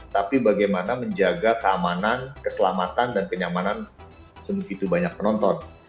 tapi bagaimana menjaga keamanan keselamatan dan kenyamanan sebegitu banyak penonton